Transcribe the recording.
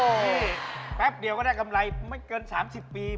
นี่แป๊บเดียวก็ได้กำไรไม่เกิน๓๐ปี